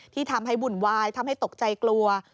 ที่ทำให้บุ่นวายทำให้ตกใจกลัว